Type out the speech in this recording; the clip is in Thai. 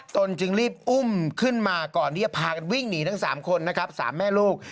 ตนจึงรีบอุ้มขึ้นมาก่อนที่จะพากันวิ่งหนีทั้ง๓คนนะครับ๓แม่ลูก